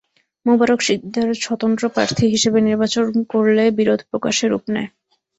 মোবারক সিকদার স্বতন্ত্র প্রার্থী হিসেবে নির্বাচন করলে বিরোধ প্রকাশ্যে রূপ নেয়।